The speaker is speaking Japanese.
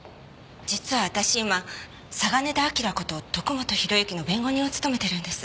実は私今嵯峨根田輝こと徳本弘之の弁護人を務めているんです。